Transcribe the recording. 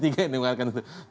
ini mengatakan seperti apa